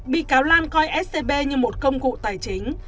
bị cáo lan coi scb như một công cụ tài chính